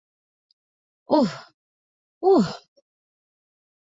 ওহ, ওহ!